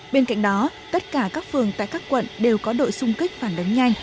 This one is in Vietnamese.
bên cạnh đó tất cả các phường tại các quận đều có đội sung kích phản đấu nhanh